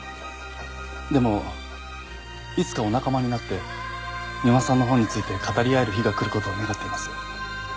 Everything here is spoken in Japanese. でもいつかお仲間になって三馬さんの本について語り合える日が来る事を願っています。